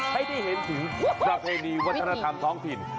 ให้ได้เห็นถึงประเพณีวัฒนธรรมท้องถิ่น